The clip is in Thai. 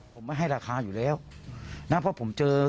ผมไม่ให้ราคาอยู่แล้วนะเพราะผมเจอ